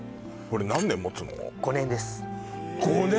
これ５年持つの？